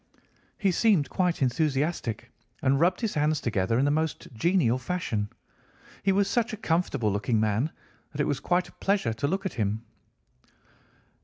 He seemed quite enthusiastic and rubbed his hands together in the most genial fashion. He was such a comfortable looking man that it was quite a pleasure to look at him.